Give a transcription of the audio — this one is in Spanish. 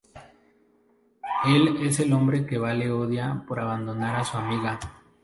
Él es el hombre que Vale odia por abandonar a su amiga.